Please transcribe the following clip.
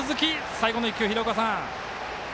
最後の１球廣岡さん